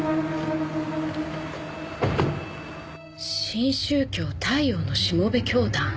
新宗教太陽のしもべ教団？